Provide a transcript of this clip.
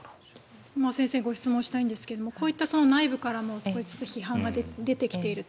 先生にご質問したいんですが内部からも少しずつ批判が出てきていると。